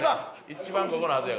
一番ここのはずやから。